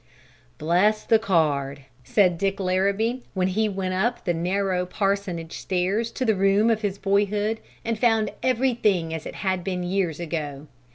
'" "Bless the card," said Dick Larrabee when he went up the narrow parsonage stairs to the room of his boyhood and found everything as it had been years ago.